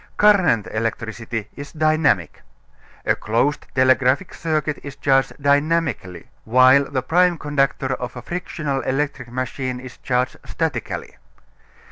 Current electricity is dynamic. A closed telegraphic circuit is charged dynamically, while the prime conductor of a frictional electric machine is charged statically.